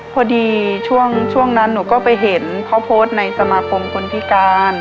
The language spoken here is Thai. พอดีช่วงนั้นนุก็ไปเห็นพอปลดในสมาคมคุณพิการ